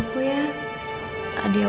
kamu akan tau akibatnya